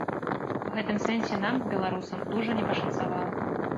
У гэтым сэнсе нам, беларусам, дужа не пашанцавала.